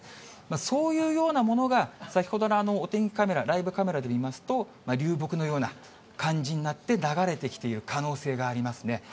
そういうようなものが、先ほどのお天気カメラ、ライブカメラで見ますと、流木のような感じになって、流れてきている可能性がありますね。